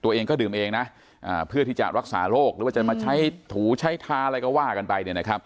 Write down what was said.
ตัวเองก็ดื่มเองนะเพื่อที่จะรักษาโรคหรือว่าจะมาใช้ถูใช้ทาอะไรก็ว่ากันไป